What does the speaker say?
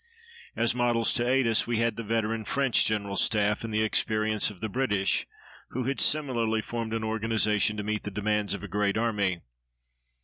As models to aid us we had the veteran French General Staff and the experience of the British, who had similarly formed an organization to meet the demands of a great army.